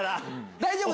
大丈夫。